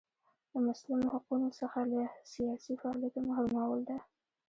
له مسلمو حقونو څخه له سیاسي فعالیته محرومول ده.